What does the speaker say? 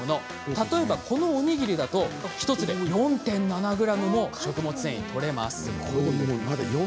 例えばこのおにぎりだと１つで４．７ｇも食物繊維とれます